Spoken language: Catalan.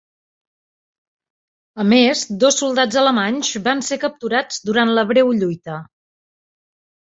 A més, dos soldats alemanys van ser capturats durant la breu lluita.